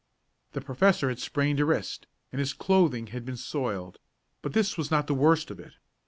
The professor had sprained a wrist, and his clothing had been soiled, but this was not the worst of it.